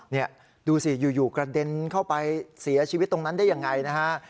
นี่ดูสิอยู่กระเด็นเข้าไปเสียชีวิตตรงนั้นได้ยังไงนะฮะ